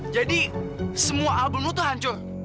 jadi semua album lu tuh hancur